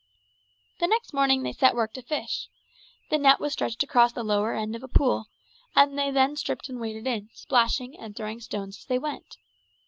The next morning they set to work to fish. The net was stretched across the lower end of a pool, and they then stripped and waded in, splashing and throwing stones as they went.